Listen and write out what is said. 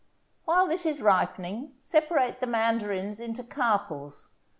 While this is ripening, separate the mandarins into carpels.